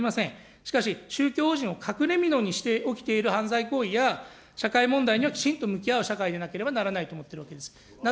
しかし、宗教法人を隠れみのにして起きている犯罪行為や社会問題にはきちんと向き合う社会でなければならないと思っているわけであります。